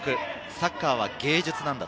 サッカーは技術なんだ。